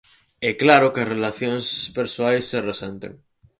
E claro que as relacións persoais se resenten!